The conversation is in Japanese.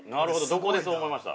どこでそう思いました？